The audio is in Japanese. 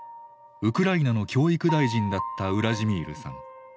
ウクライナの教育大臣だったウラジミールさん。